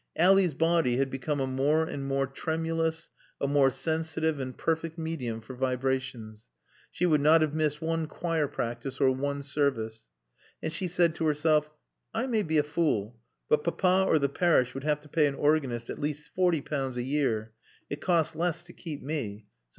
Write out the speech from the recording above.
Ally's body had become a more and more tremulous, a more sensitive and perfect medium for vibrations. She would not have missed one choir practice or one service. And she said to herself, "I may be a fool, but Papa or the parish would have to pay an organist at least forty pounds a year. It costs less to keep me.